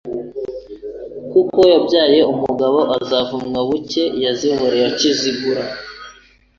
Ko yabyaye umugabo azavumwa buke yazihoreye akizigura